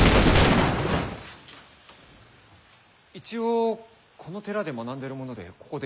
一応この寺で学んでる者でここで昼寝を。